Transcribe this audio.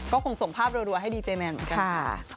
ก็คงส่งภาพรัวให้ดีเจแมนเหมือนกันค่ะ